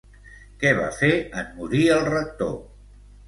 Què va fer en morir el rector?